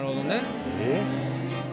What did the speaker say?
えっ。